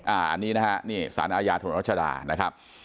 อันนี้นะฮะนี่สารอาญาถนนรัชดานะครับ